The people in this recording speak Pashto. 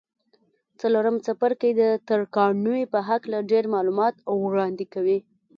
څلورم څپرکی د ترکاڼۍ په هکله ډېر معلومات وړاندې کوي.